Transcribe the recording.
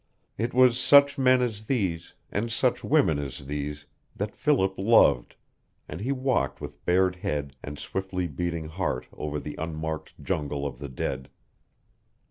It was such men as these, and such women as these, that Philip loved, and he walked with bared head and swiftly beating heart over the unmarked jungle of the dead.